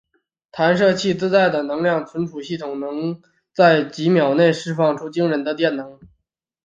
弹射器自带的能量存储系统能在几秒内释放出惊人的电能。